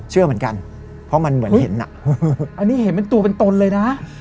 เชื่อเหมือนกันเพราะมันเหมือนเห็นอ่ะอันนี้เห็นเป็นตัวเป็นตนเลยนะ